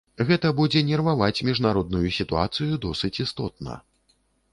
Гэта будзе нерваваць міжнародную сітуацыю досыць істотна.